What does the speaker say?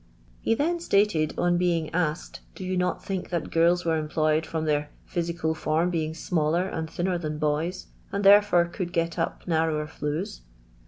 *' He then stated, on being asked, i *• Do you not think that girls were employed from their physical form l)eing smaller and thinner than boys, and therefore could get up ; naiTOwer flues'?